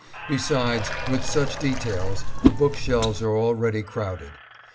Besides, with such details the book shelves are already crowded.